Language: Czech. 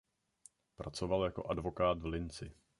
Pracoval jako advokát v Linci.